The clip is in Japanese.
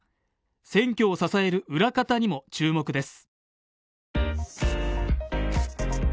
選挙を支える裏方にも注目です。